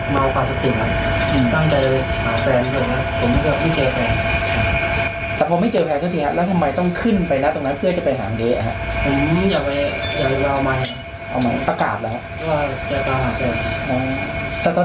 มัวความศักดิ์หวังหาแฟนเถอะนะผมไม่เจอแผง